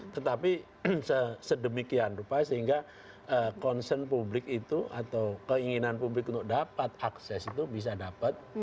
tetapi sedemikian rupa sehingga concern publik itu atau keinginan publik untuk dapat akses itu bisa dapat